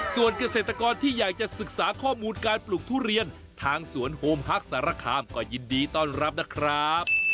ส่วนเกษตรกรที่อยากจะศึกษาข้อมูลการปลูกทุเรียนทางสวนโฮมฮักสารคามก็ยินดีต้อนรับนะครับ